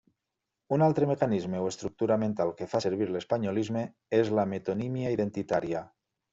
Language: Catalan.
Un altre mecanisme o estructura mental que fa servir l'espanyolisme és la metonímia identitària.